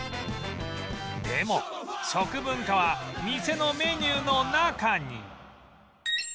でも食文化は店のメニューの中に